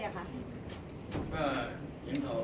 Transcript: ก็จะเสียชีวิตโดย